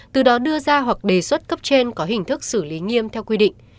từ đó đưa ra hoặc đề xuất cấp trên có hình thức xử lý nghiêm theo quy định